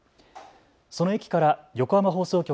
その駅から横浜放送局